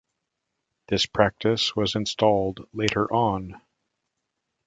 This practice was installed later on.